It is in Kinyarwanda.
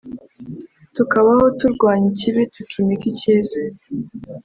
tukabaho turwanya ikibi tukimika icyiza